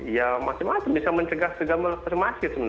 ya masing masing bisa mencegah segama tersemasi